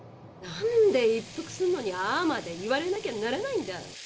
なんで一服するのにああまで言われなきゃならないんだ。